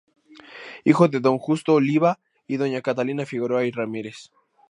Hijo de don "Justo Oliva" y doña "Catalina Figueroa y Ramírez".